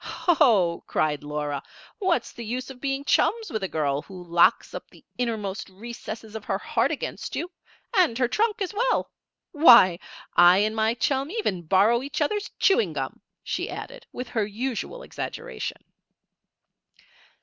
"Ho!" cried Laura. "What's the use of being chums with a girl who locks up the innermost recesses of her heart against you and her trunk, as well? Why! I and my chum even borrow each other's chewing gum!" she added with her usual exaggeration.